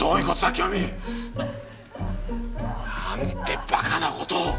清美！なんてバカな事を！